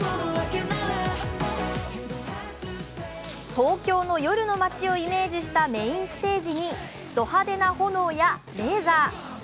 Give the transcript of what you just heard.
東京の夜の街をイメージしたメインステージにド派手な炎やレーザー。